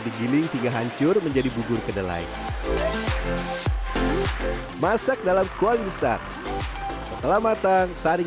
digiling hingga hancur menjadi bubur kedelai masak dalam kuah besar setelah matang saring